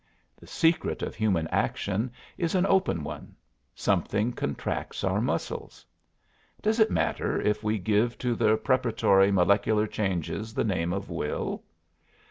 The secret of human action is an open one: something contracts our muscles. Does it matter if we give to the preparatory molecular changes the name of will?